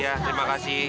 ya terima kasih